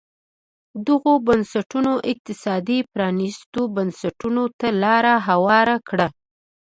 دغو بنسټونو اقتصادي پرانیستو بنسټونو ته لار هواره کړه.